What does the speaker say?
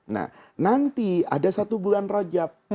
nah nanti ada satu bulan rajab